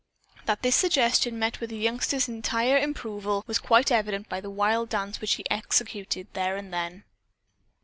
That this suggestion met with the youngster's entire approval was quite evident by the wild dance which he executed then and there.